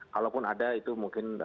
kalaupun ada itu mungkin